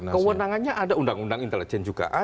kewenangannya ada undang undang intelijen juga